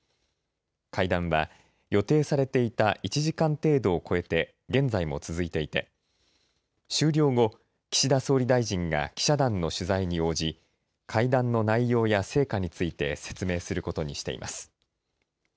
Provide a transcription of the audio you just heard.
会談は予定されていた１時間程度を超えて現在も続いていて終了後、岸田総理大臣が記者団の取材に応じ会談の内容や成果について説明することにしています。